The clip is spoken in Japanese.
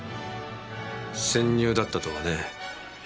潜入だったとはね。